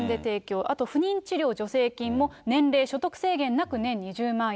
あと不妊治療助成金も年齢、所得制限なく年２０万円。